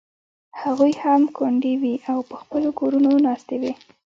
هغوی هم کونډې وې او په خپلو کورونو ناستې وې.